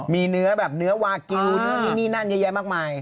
มีเนื้อแบบเนื้อวากิลนู่นนี่นี่นั่นเยอะแยะมากมาย